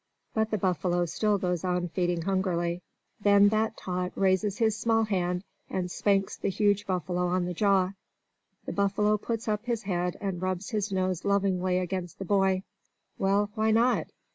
But the buffalo still goes on feeding hungrily. Then that tot raises his small hand and spanks the huge buffalo on the jaw. The buffalo puts up his head, and rubs his nose lovingly against the boy. Well, why not?